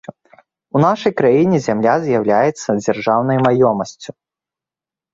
У нашай краіне зямля з'яўляецца дзяржаўнай маёмасцю.